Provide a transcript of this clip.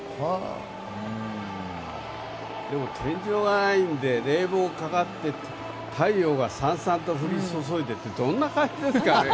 でも天井がないので冷房がかかって太陽がさんさんと降り注いでってどんな感じですかね。